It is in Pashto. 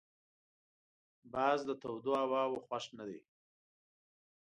باز د تودو هواوو خوښ نه دی